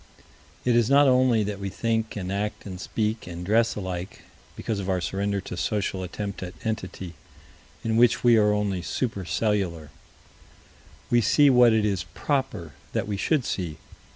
It is not only that we think and act and speak and dress alike, because of our surrender to social attempt at Entity, in which we are only super cellular. We see what it is "proper" that we should see.